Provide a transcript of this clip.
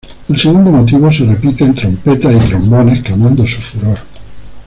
El segundo motivo se repite en trompetas y trombones clamando su furor.